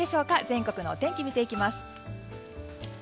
全国のお天気を見ていきます。